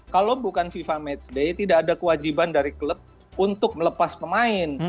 kalau bukan fifa matchday tidak ada kewajiban dari klub untuk melepas pemain